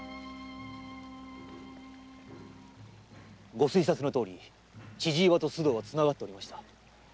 ご推察のとおり千々岩と須藤はつながっておりました。